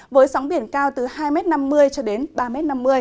với sóng biển cao từ hai năm mươi cho đến ba năm mươi m